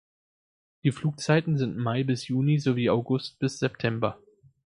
Die Flugzeiten sind Mai bis Juni sowie August bis September.